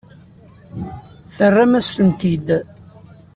Terram-as-tent-id.